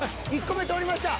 １個目通りました。